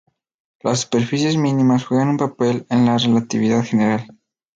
Las superficies mínimas juegan un papel en la relatividad general.